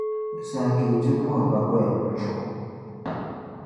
di saha ka yi ti puhi bakɔinima chuɣu.